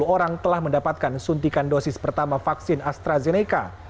dua puluh orang telah mendapatkan suntikan dosis pertama vaksin astrazeneca